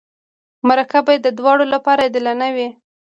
مرکه باید د دواړو لپاره عادلانه وي.